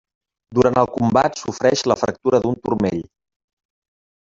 Durant el combat sofreix la fractura d'un turmell.